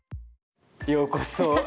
ようこそ！